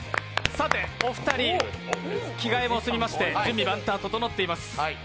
さて、お二人、着替えも済みまして準備万端、整っています。